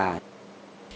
để tiết kiệm năng lượng